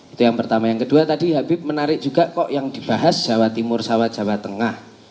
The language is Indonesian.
itu yang pertama yang kedua tadi habib menarik juga kok yang dibahas jawa timur sawah jawa tengah